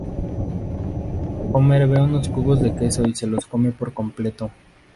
Homer ve unos cubos de queso y se los come por completo.